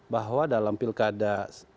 bahwa dalam pilkada